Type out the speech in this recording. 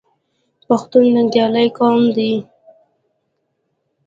پښتون ننګیالی قوم دی.